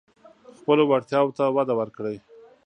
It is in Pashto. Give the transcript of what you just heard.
خپلو وړتیاوو ته وده ورکړئ.